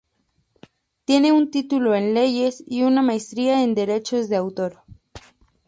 Tiene un título en Leyes y una Maestría en Derechos de Autor.